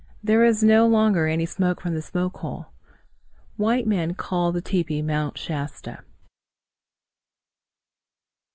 There is no longer any smoke from the smoke hole. White men call the tepee Mount Shasta.